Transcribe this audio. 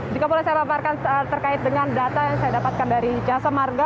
jika boleh saya paparkan terkait dengan data yang saya dapatkan dari jasa marga